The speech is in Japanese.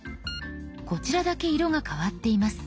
こちらだけ色が変わっています。